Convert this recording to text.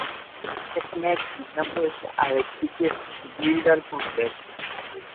এক মেয়ে কিডন্যাপ হয়েছে, আরেকদিকে বিল্ডার খুন হয়েছে।